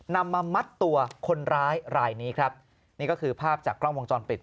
มามัดตัวคนร้ายรายนี้ครับนี่ก็คือภาพจากกล้องวงจรปิด